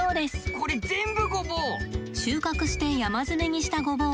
これ全部ごぼう！